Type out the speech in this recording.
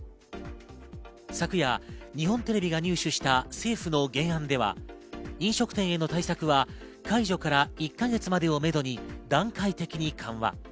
昨夜、日本テレビが入手した政府の原案では、飲食店への対策は解除から１か月までをめどに段階的に緩和。